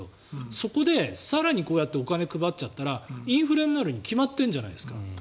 そこで更にこうやってお金を配っちゃったらインフレになるに決まってるじゃないですか。